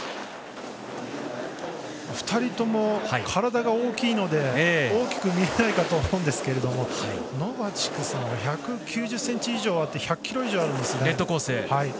２人とも体が大きいので大きく見えないかと思うんですがノバチクさんは１９０ｃｍ以上で１００ｋｇ以上あるんですね。